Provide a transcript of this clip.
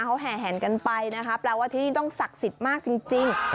เขาแห่แห่นกันไปนะคะแปลว่าที่นี่ต้องศักดิ์สิทธิ์มากจริง